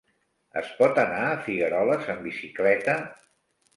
Es pot anar a Figueroles amb bicicleta?